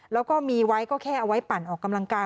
แล้วก็มีไว้ก็แค่เอาไว้ปั่นออกกำลังกาย